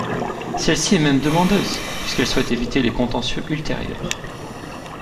Celle-ci est même demandeuse, puisqu’elle souhaite éviter les contentieux ultérieurs.